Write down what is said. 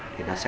thì nó sẽ